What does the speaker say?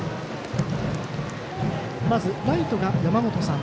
まずライトは山本さん。